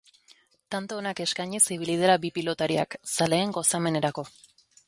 Tanto onak eskainiz ibili dira bi pilotariak, zaleen gozamenerako.